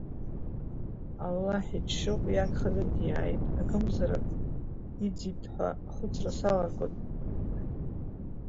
Аллаҳ иџьшьоуп, иагхазаргьы иааит, акәымзар иӡит ҳәа ахәыцра салагон, — иҳәеит.